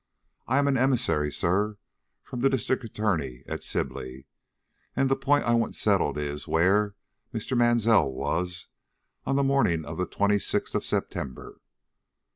I am an emissary, sir, from the District Attorney at Sibley, and the point I want settled is, where Mr. Mansell was on the morning of the twenty sixth of September?"